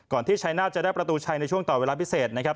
ที่ชัยนาธจะได้ประตูชัยในช่วงต่อเวลาพิเศษนะครับ